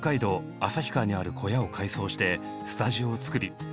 旭川にある小屋を改装してスタジオを造り